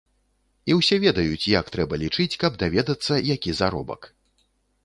І ўсе ведаюць, як трэба лічыць, каб даведацца, які заробак.